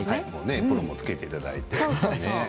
エプロンを着けていただいて。